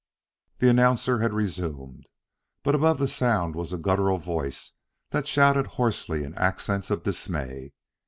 The announcer had resumed, but above the sound was a guttural voice that shouted hoarsely in accents of dismay.